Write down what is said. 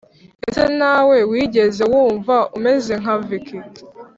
Ese nawe wigeze wumva umeze nka vicky